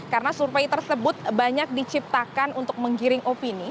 karena survei tersebut banyak diciptakan untuk menggiring opini